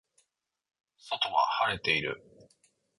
外は晴れている